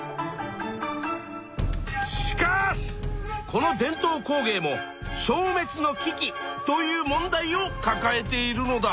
しかしこの伝統工芸も消滅の危機という問題をかかえているのだ。